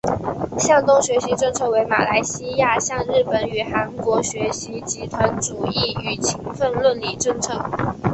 向东学习政策为马来西亚向日本与韩国学习集团主义与勤奋论理政策。